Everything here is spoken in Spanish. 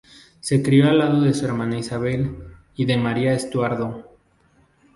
Se crió al lado de su hermana Isabel y de María Estuardo.